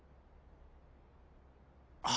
あ。